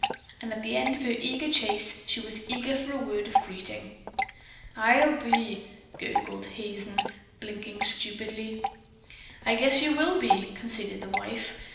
And at the end of her eager chase, she was eager for a word of greeting. "I'll be " gurgled Hazen, blinking stupidly. "I guess you will be," conceded his wife.